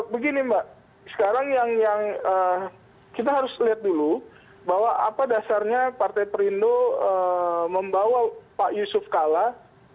begini mbak sekarang yang kita harus lihat dulu bahwa apa dasarnya partai perindo membawa pak yusuf kalah